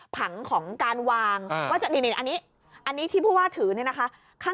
ผังของการวางว่านี่อันนี้ที่ผู้ว่าถือเนี่ยนะคะ